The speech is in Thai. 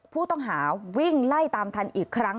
ผู้ต้องหาวิ่งไล่ตามทันอีกครั้ง